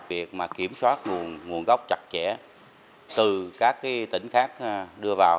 việc kiểm soát nguồn gốc chặt chẽ từ các tỉnh khác đưa vào